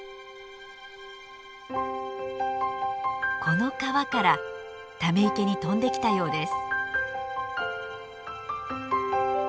この川からため池に飛んできたようです。